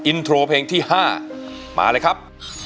อินโทรเพลงที่๕มาเลยครับ